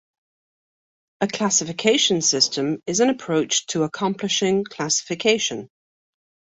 A classification system is an approach to accomplishing classification.